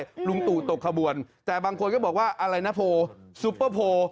ลุงตู่ตกขบวนแต่บางคนก็บอกว่าอะไรนะโพซุปเปอร์โพล